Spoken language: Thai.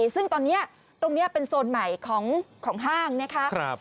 ซึ่งตอนนี้ตรงนี้เป็นโซนใหม่ของห้างนะคะ